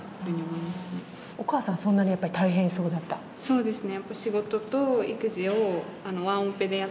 そうですね。